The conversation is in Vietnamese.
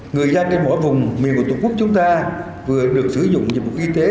người dân trên mỗi vùng miền của tổ quốc chúng ta vừa được sử dụng dịch vụ y tế